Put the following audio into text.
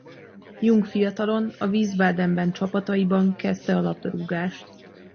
Jung fiatalon a Wiesbadenben csapataiban kezdte a labdarúgást.